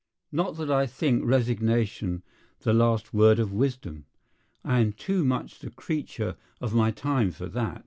Not that I think resignation the last word of wisdom. I am too much the creature of my time for that.